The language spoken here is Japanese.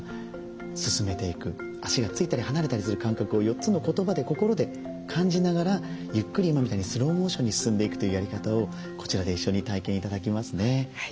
足がついたり離れたりする感覚を４つの言葉で心で感じながらゆっくり今みたいにスローモーションに進んでいくというやり方をこちらで一緒に体験頂きますね。